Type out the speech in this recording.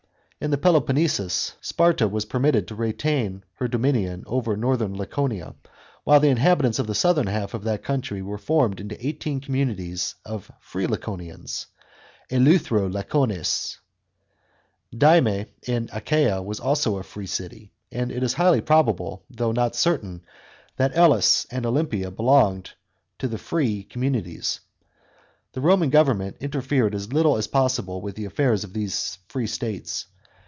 In the Peloponnesus, Sparta was permitted to retain her dominion over northern Laconia, while the inhabitants of the southern half of that country were formed into eighteen communities of ' free Laconians," Meuthero lacones. Dyme in Achaea was also a »ree city, and it is highly probable, though not certain, that Elis and Olympia belonged to the free * Larisae campus opinue, Hor., Octet, i. 1. 11. 27n.o HA.lx GREECE. 105 communities. The Roman government interfered as little as possible with the affairs of these free states.